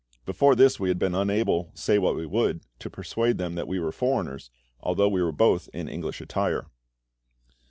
Before this we had been unable, say what we would, to persuade them that we were foreigners, although we were both in English attire.